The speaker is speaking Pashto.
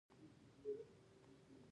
او ځني چاربيتې ئې